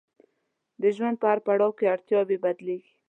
د ژوند په هر پړاو کې اړتیاوې بدلیږي.